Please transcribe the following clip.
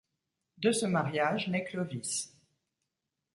De ce mariage naît Clovis.